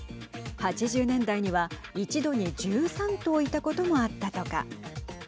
８０年代には一度に１３頭いたこともあったとか。